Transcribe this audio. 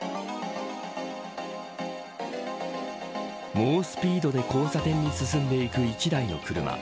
猛スピードで交差点に進んでいく１台の車。